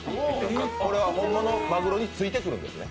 これは本物のマグロについてくるんですね。